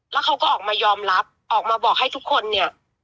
แล้วเขาก็ออกมายอมรับออกมาบอกให้ทุกคนเนี่ย